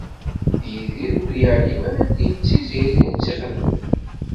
Yidir ur yeεlim ara belli d Tiziri i tt-ixedmen.